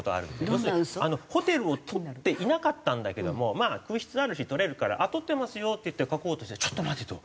要するにホテルを取っていなかったんだけども空室あるし取れるから「取ってますよ」って言って書こうとしたら「ちょっと待て」と。